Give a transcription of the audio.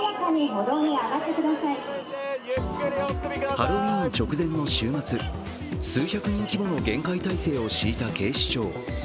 ハロウィーン直前の週末、数百人規模の厳戒態勢を敷いた警視庁。